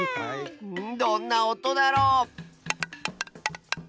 どんなおとだろ？